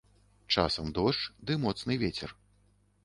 Часам дождж ды моцны вецер.